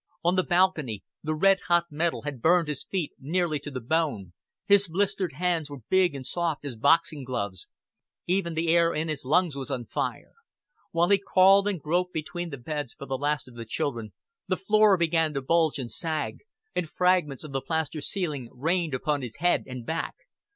On the balcony the red hot metal had burned his feet nearly to the bone, his blistered hands were big and soft as boxing gloves, even the air in his lungs was on fire. While he crawled and groped between the beds for the last of the children, the floor began to bulge and sag, and fragments of the plaster ceiling rained upon his head and back.